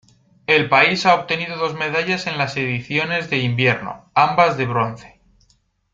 El país ha obtenido dos medallas en las ediciones de invierno, ambas de bronce.